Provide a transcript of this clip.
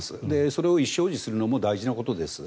それを意思表示するのも大事なことです。